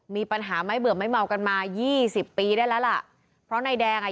มีปัญหาไม่เบื่อไม่เมากันมายี่สิบปีได้แล้วล่ะเพราะนายแดงอ่ะ